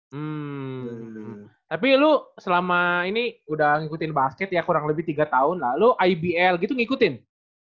hmm tapi lu selama ini udah ngikutin basket ya kurang lebih tiga tahun lalu ibl gitu ngikutin